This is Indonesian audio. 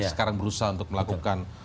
sekarang berusaha untuk melakukan